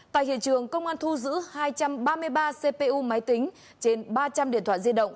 tại hiện trường công an thu giữ hai trăm ba mươi ba cpu máy tính trên ba trăm linh điện thoại di động